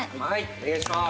お願いします。